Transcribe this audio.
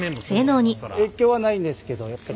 影響はないんですけどやっぱり。